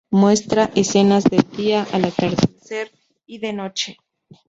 Muestra escenas de día, al atardecer y de noche.